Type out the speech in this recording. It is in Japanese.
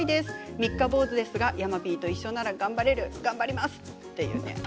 三日坊主ですが山Ｐと一緒なら頑張れます。